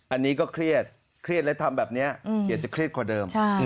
อันนี้ก็เครียดความเครียดแล้วทำแบบนี้อยากจะเครียดกว่าเดิม